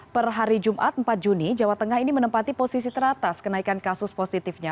per hari jumat empat juni jawa tengah ini menempati posisi teratas kenaikan kasus positifnya